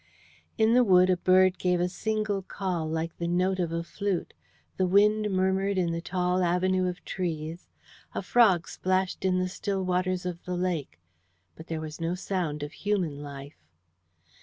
In the wood a bird gave a single call like the note of a flute, the wind murmured in the tall avenue of trees, a frog splashed in the still waters of the lake, but there was no sound of human life.